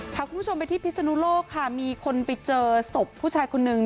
พาคุณผู้ชมไปที่พิศนุโลกค่ะมีคนไปเจอศพผู้ชายคนนึง